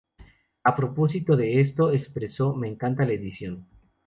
A propósito de esto expresó: "Me encanta la edición.